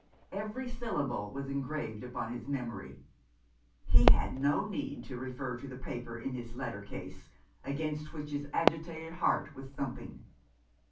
Every syllable was engraved upon his memory ; he had no need to refer to the paper in his letter case, against which his agitated heart was thumping.